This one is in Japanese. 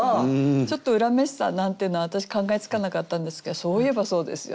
ちょっと恨めしさなんていうのは私考えつかなかったんですけどそういえばそうですよね。